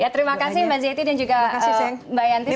ya terima kasih mbak ziety dan juga mbak yanti